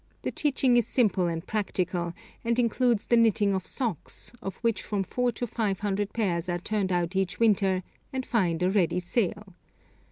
The teaching is simple and practical, and includes the knitting of socks, of which from four to five hundred pairs are turned out each winter, and find a ready sale.